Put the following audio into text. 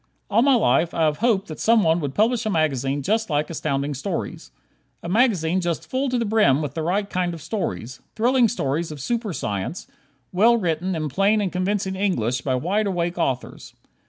All my life, I have hoped that someone would publish a magazine just like Astounding Stories. A magazine just full to the brim with the right kind of stories; thrilling stories of super science, well written in plain and convincing English by wide awake authors.